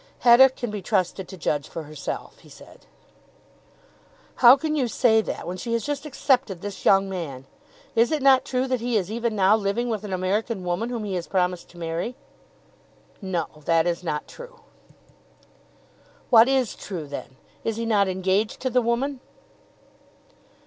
"Hetta can be trusted to judge for herself," he said. "How can you say that when she has just accepted this young man? Is it not true that he is even now living with an American woman whom he has promised to marry?" "No; that is not true." "What is true, then? Is he not engaged to the woman?"